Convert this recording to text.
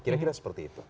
kira kira seperti itu